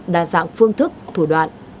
đa dạng phương thức thủ đoạn